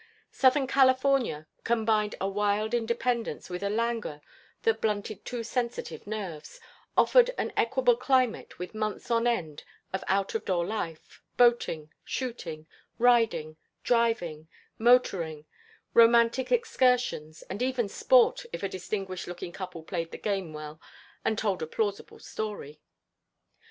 Southern California combined a wild independence with a languor that blunted too sensitive nerves, offered an equable climate with months on end of out of door life, boating, shooting, riding, driving, motoring, romantic excursions, and even sport if a distinguished looking couple played the game well and told a plausible story.